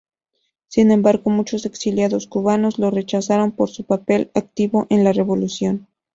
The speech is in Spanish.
Sin embargo, muchos exilados cubanos lo rechazaron por su papel activo en la revolución.